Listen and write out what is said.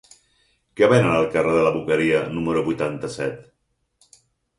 Què venen al carrer de la Boqueria número vuitanta-set?